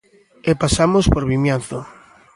E pasamos por Vimianzo.